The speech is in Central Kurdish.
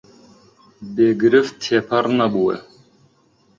بێ گرفت تێپەڕ نەبووە